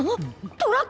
トラックだ！